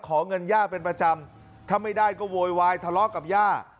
ขอเงินย่าเป็นประจำถ้าไม่ได้ก็โวยวายทะเลาะกับย่า